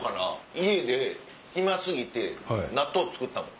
家で暇過ぎて納豆作ったもん。